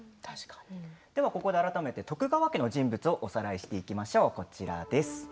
ここで改めて徳川家の人物をおさらいしていきましょう。